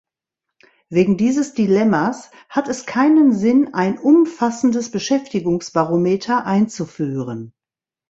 Wegen dieses Dilemmas hat es keinen Sinn, ein umfassendes Beschäftigungsbarometer einzuführen.